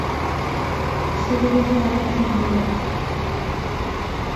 ছবি দেখলে আরো ঘেন্না লাগবে।